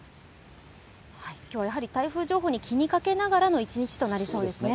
今日はやはり台風情報を気にかけながらの一日になりそうですね。